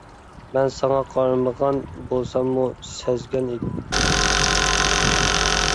مەن ساڭا قارىمىغان بولساممۇ سەزگەن ئىدىم.